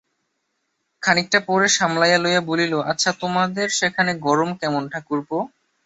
খানিকটা পরে সামলাইয়া লইয়া বলিল, আচ্ছা তোমাদের সেখানে গরম কেমন ঠাকুরপো?